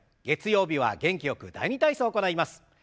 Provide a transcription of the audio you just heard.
月曜日は元気よく「第２体操」を行います。